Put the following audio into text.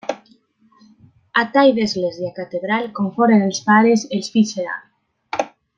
A tall d'església catedral, com foren els pares els fills seran.